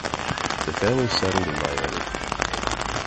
The family settled in Miami.